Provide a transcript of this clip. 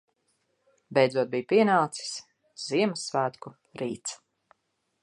Beidzot bija pienācis Ziemassvētku rīts.